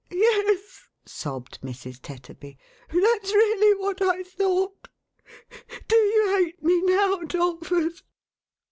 "Yes,'1 sobbed Mrs. Tetterby. "That's really what I thought. Do you hate me now, 'Dolphus